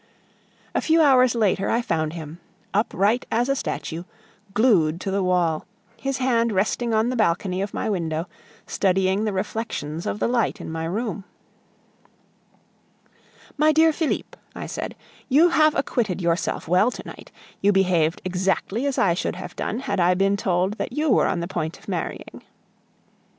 A few hours later I found him, upright as a statue, glued to the wall, his hand resting on the balcony of my window, studying the reflections of the light in my room. "My dear Felipe," I said, "You have acquitted yourself well to night; you behaved exactly as I should have done had I been told that you were on the point of marrying."